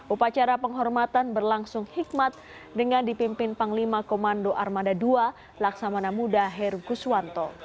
upacara penghormatan berlangsung hikmat dengan dipimpin panglima komando armada ii laksamana muda heru guswanto